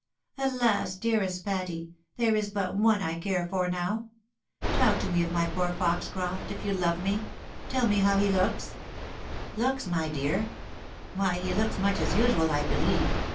" Alas, dearest Patty ! there is but one I care for now. Talk to me of my poor Foxcroft, if you love me ! Tell me ho w he looks ?" 222 THE WIDOW MAEKIED. " Looks, my dear ? Why he looks much as usual, I believe.